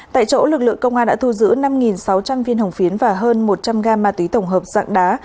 tại chỗ lực lượng công an đã thu giữ năm sáu trăm linh viên hồng phiến và hơn một trăm linh g ma túy tổng hợp dạng đá